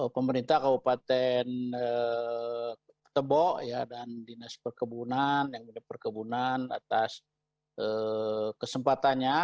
pemerintah kabupaten tebok ya dan dinas perkebunan yang berkebunan atas kesempatannya